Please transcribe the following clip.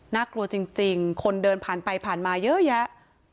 น่ากลัวจริงคนเดินผ่านไปผ่านมาเยอะแยะ